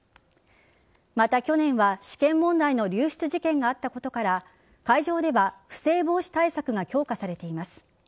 また、去年は試験問題の流出事件があったことから会場では不正防止対策が強化されています。